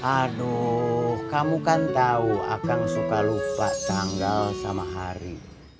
aduh kamu kan tahu akan suka lupa tanggal sama hari